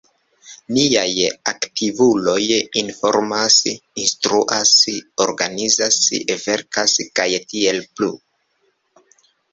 Niaj aktivuloj informas, instruas, organizas, verkas, kaj tiel plu.